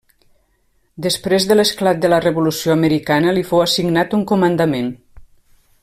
Després de l'esclat de la Revolució Americana li fou assignat un comandament.